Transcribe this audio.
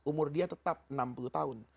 umur dia tetap enam puluh tahun